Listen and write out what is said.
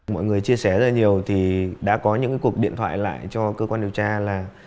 mọi người chia sẻ rất là nhiều thì đã có những cuộc điện thoại lại cho cơ quan điều tra là